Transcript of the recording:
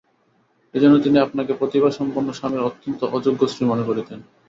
এইজন্য তিনি আপনাকে প্রতিভাসম্পন্ন স্বামীর অত্যন্ত অযোগ্য স্ত্রী মনে করিতেন।